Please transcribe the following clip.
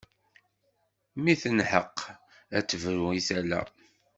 Mi tenheq a d-tebru i tala.